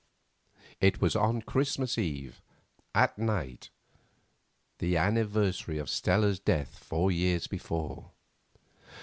It was on Christmas Eve, at night, the anniversary of Stella's death four years before.